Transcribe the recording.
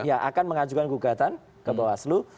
yang akan mengajukan gugatan ke bawaslu